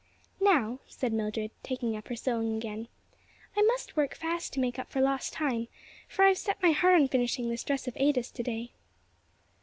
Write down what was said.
"NOW," said Mildred, taking up her sewing again, "I must work fast to make up for lost time, for I've set my heart on finishing this dress of Ada's to day."